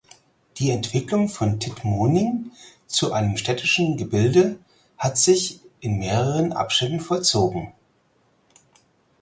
Die Entwicklung von Tittmoning zu einem städtischen Gebilde hat sich in mehreren Abschnitten vollzogen.